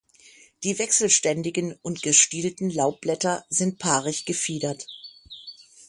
Die wechselständigen und gestielten Laubblätter sind paarig gefiedert.